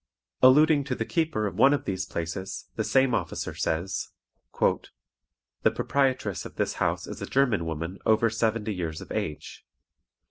Alluding to the keeper of one of these places, the same officer says: "The proprietress of this house is a German woman over seventy years of age.